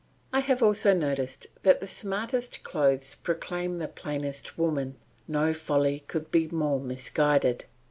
I have also noticed that the smartest clothes proclaim the plainest women; no folly could be more misguided.